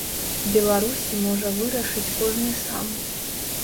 Беларусі можа вырашыць кожны сам.